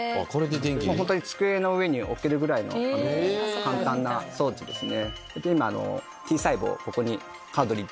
机の上に置けるぐらいの簡単な装置ですね。